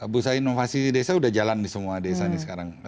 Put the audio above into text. bursa inovasi desa udah jalan di semua desa nih sekarang